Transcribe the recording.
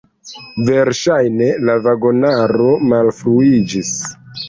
Verŝajne la vagonaro malfruiĝis.